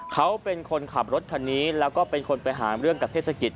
เขาเป็นคนขับรถคันนี้แล้วก็เป็นคนไปหาเรื่องกับเทศกิจ